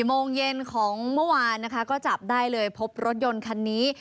โมงเย็นของเมื่อวานนะคะก็จับได้เลยพบรถยนต์คันนี้